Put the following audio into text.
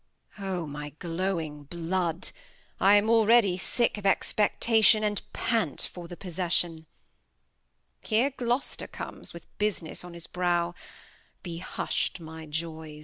O my glowing Blood! I am already sick of Expectation, And pant for the Possession. Here Gloster comes With Business on his Brow ; be husht my Joys. [Enter Gloster.